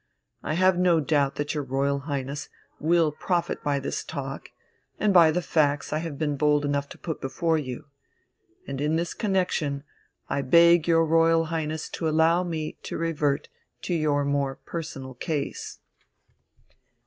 I have no doubt that your Royal Highness will profit by this talk and by the facts I have been bold enough to put before you. And in this connexion I beg your Royal Highness to allow me to revert to your more personal case."